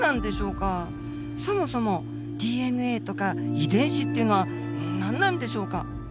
そもそもＤＮＡとか遺伝子っていうのは何なんでしょうか。